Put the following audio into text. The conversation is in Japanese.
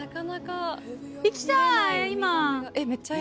行きたい、今。